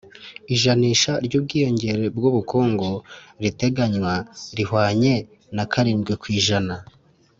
ijanisha ry'ubwiyongere bw'ubukungu riteganywa rihwanye na karindwi ku ijana